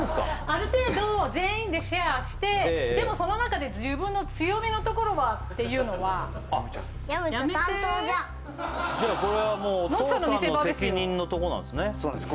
ある程度全員でシェアしてでもその中で自分の強みのところはっていうのはじゃあこれはもうお父さんの責任のとこなんですねそうなんです